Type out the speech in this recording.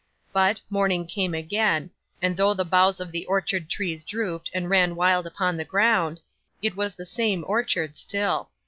But, morning came again, and though the boughs of the orchard trees drooped and ran wild upon the ground, it was the same orchard still.